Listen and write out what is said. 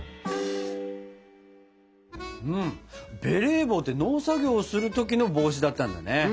ベレー帽って農作業をする時の帽子だったんだね。